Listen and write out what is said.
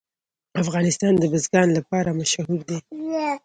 افغانستان د بزګان لپاره مشهور دی.